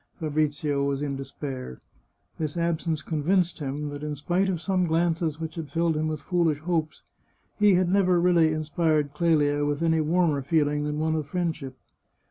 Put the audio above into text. Fabrizio was in despair. This absence convinced him that, in spite of some glances which had filled him with foolish hopes, he had never really in spired Clelia with any warmer feeling than one of friendship.